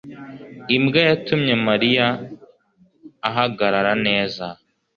imbwa yatumye mariya ahagarara. neza